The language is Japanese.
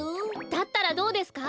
だったらどうですか？